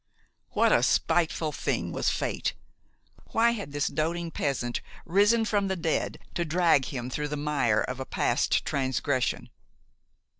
What a spiteful thing was Fate! Why had this doting peasant risen from the dead to drag him through the mire of a past transgression?